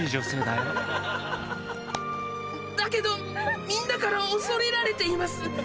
だけどみんなから恐れられています。